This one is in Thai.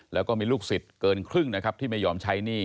แล้วก็มีลูกศิษย์เกินครึ่งนะครับที่ไม่ยอมใช้หนี้